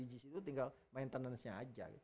gis itu tinggal maintenennya aja